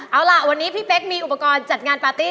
เอาล่ะวันนี้พี่เป๊กมีอุปกรณ์จัดงานปาร์ตี้